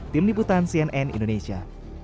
tim libutan cnn indonesia